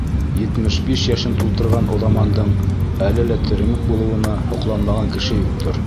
Етмеш биш йәшен тултырған уҙамандың әле лә теремек булыуына һоҡланмаған кеше юҡтыр.